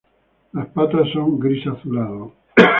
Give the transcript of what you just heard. Las patas son gris azulado.